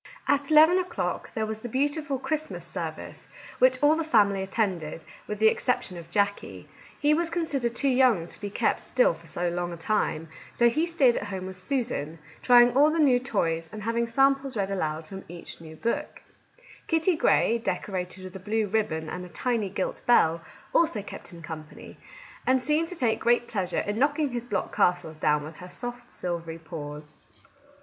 At eleven o'clock there was the beautiful Christmas service, which all the family at tended, with the exception of Jackie. He was considered too young to be kept still for so long a time ; so he stayed at home with Susan, trying all the new toys and having samples read aloud from each new book. Kitty Grey, decorated with a blue ribbon and a tiny gilt bell, also kept him company, and seemed to take great pleasure in knocking his block castles down with her soft silvery paws.